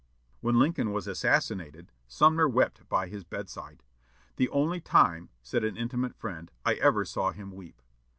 When Lincoln was assassinated, Sumner wept by his bedside. "The only time," said an intimate friend, "I ever saw him weep."